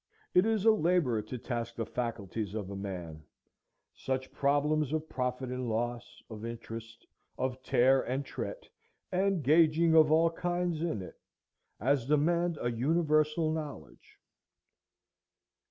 It is a labor to task the faculties of a man,—such problems of profit and loss, of interest, of tare and tret, and gauging of all kinds in it, as demand a universal knowledge.